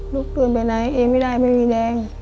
ตื่นไปไหนเองไม่ได้ไม่มีแรง